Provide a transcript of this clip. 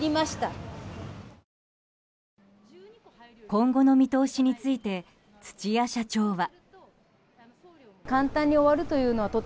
今後の見通しについて土谷社長は。